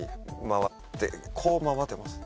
こう回ってます。